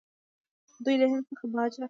دوی له هند څخه باج اخیست